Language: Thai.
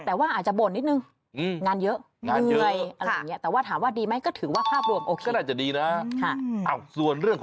แต่ว่าอาจจะบ่นนิดหนึ่ง